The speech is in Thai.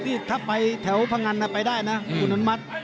นี่ถ้าไปแถวพงันไปได้นะคุณอนุมัติ